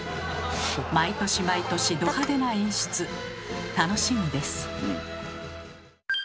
毎年毎年ど派手な演出楽しみです。